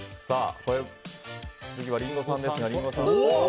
次はリンゴさんですが。